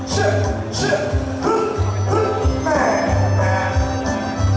เชื่อเชื่อฮึฮึแม่แม่